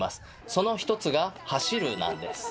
その一つが「走る」なんです。